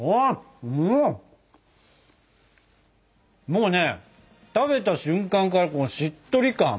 もうね食べた瞬間からこのしっとり感？